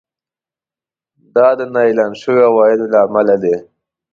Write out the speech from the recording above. دا د نااعلان شويو عوایدو له امله دی